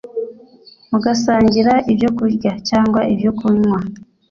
mugasangira ibyokurya cyangwa ibyokunywa